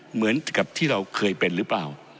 เหมือนกับที่เราเคยเป็นหรือเปล่า